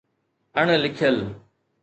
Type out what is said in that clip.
اڻ لکيل